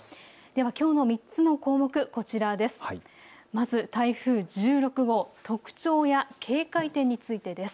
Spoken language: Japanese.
きょうの３つの項目、こちらです。